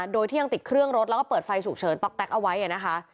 โดยที่ยังติดเครื่องรถแล้วก็เปิดไฟฉุกเฉินต๊อกแก๊กเอาไว้นะคะ